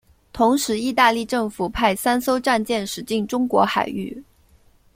同时意大利政府派三艘战舰驶进中国海域。